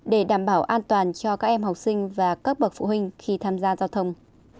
để đảm bảo an toàn cho các em học sinh và các bậc phụ huynh khi tham gia giao thông